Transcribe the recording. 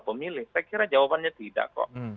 pemilih saya kira jawabannya tidak kok